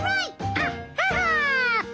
アッハハ！